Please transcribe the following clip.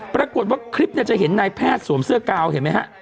ปรากฏว่าคลิปจะเห็นนายแพทย์สวมเสื้อกาวเห็นไหมฮะ